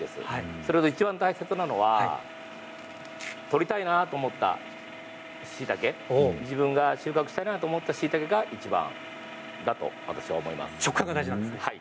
それといちばん大切なのは採りたいなと思った、しいたけ自分が収穫したいなと思ったしいたけがいちばんだと直感が大事なんですね。